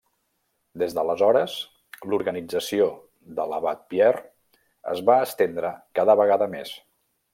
Des d'aleshores, l'organització de l'Abat Pierre es va estendre cada vegada més.